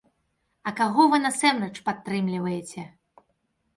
А каго вы насамрэч падтрымліваеце?